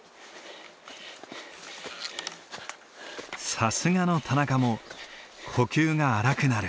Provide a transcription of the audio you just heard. さすがの田中も呼吸が荒くなる。